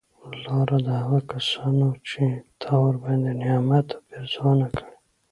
لاره د هغه کسانو چې تا ورباندي نعمت او پیرزونه کړي